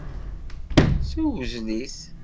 Ssewzel-it.